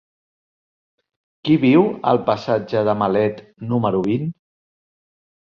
Qui viu al passatge de Malet número vint?